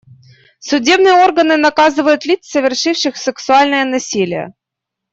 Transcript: Судебные органы наказывают лиц, совершивших сексуальное насилие.